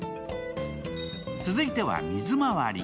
続いては、水まわり。